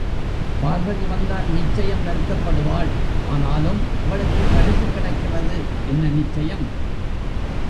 பார்வதி வந்தால் நிச்சயம் வருத்தப்படுவாள்... ஆனாலும், அவளுக்குப் பரிசு கிடைக்கிறது என்ன நிச்சயம்?